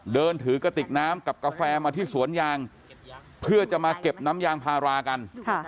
เดินถือกระติกน้ำกับกาแฟมาที่สวนยางเพื่อจะมาเก็บน้ำยางพารากัน